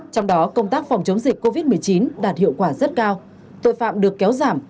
trong đó công tác phòng chống dịch covid một mươi chín đạt hiệu quả rất cao tội phạm được kéo giảm